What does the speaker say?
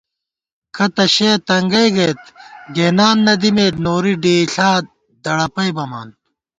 کتّہ شَیَہ تنگَئ گَئیت گېنان نَدِمېت نوری، ڈېئیݪا دڑَپئ بَمان